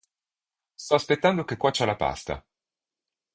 Sto aspettando che cuocia la pasta.